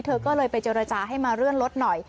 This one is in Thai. เธอก็เลยไปเจรจาให้มาเลื่อนรถหน่อย